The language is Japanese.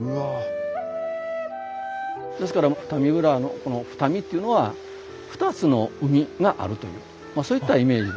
ですから二見浦のこの二見っていうのは二つの海があるというそういったイメージで。